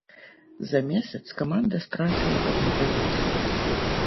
За месяц каманда страціла адну пазіцыю.